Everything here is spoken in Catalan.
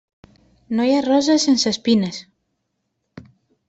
No hi ha rosa sense espines.